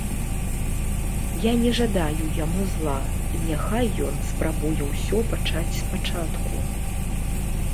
Я не жадаю яму зла, і няхай ён спрабуе ўсё пачаць спачатку.